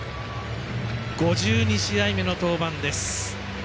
５２試合目の登板です。